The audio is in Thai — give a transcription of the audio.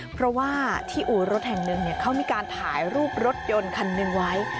เพราะว่าที่อู่รถแห่งหนึ่งเขามีการถ่ายรูปรถยนต์คันหนึ่งไว้